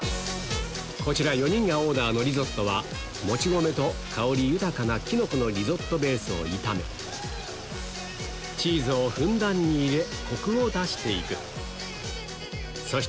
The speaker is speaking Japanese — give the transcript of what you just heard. こちら４人がオーダーのリゾットはもち米と香り豊かなキノコのリゾットベースを炒めチーズをふんだんに入れコクを出して行くそして今が旬のトリュフをこれでもかとのせれば